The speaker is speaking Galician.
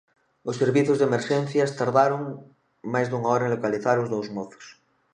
Os servizos de emerxencias tardaron máis dunha hora en localizar os dous mozos.